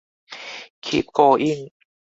Keep going!